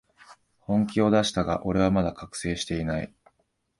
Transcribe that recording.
本気を出したが、俺はまだ覚醒してない